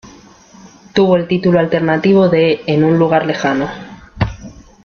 Tuvo el título alternativo de "En un lugar lejano".